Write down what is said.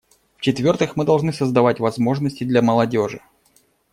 В-четвертых, мы должны создавать возможности для молодежи.